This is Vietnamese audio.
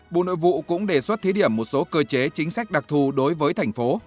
bộ nội vụ cũng đề xuất thí điểm một số cơ chế chính sách đặc thù đối với thành phố